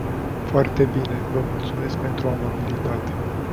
Foarte bine, vă mulțumesc pentru amabilitate.